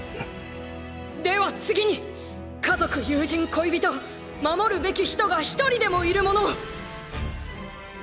では次に家族友人恋人守るべき人が一人でもいる者！